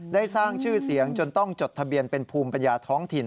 ได้สร้างชื่อเสียงจนต้องจดทะเบียนเป็นภูมิปัญญาท้องถิ่น